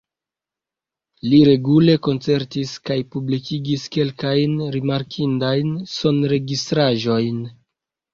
Li regule koncertis kaj publikigis kelkajn rimarkindajn sonregistraĵojn.